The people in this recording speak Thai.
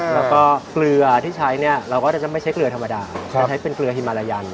แล้วก็เกลือที่ใช้เนี่ยเราก็จะไม่ใช้เกลือธรรมดาจะใช้เป็นเกลือฮิมารายัน